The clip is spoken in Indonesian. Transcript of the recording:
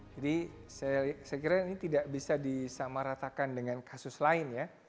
jadi saya kira ini tidak bisa disamaratakan dengan kasus lain ya